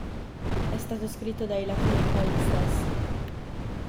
È stato scritto dai Lacuna Coil stessi.